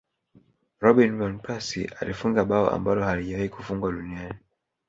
robin van persie alifunga bao ambalo halijawahi Kufungwa duniani